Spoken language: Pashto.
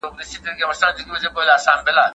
د کورنۍ غړي بايد په حقوقو پوه سي.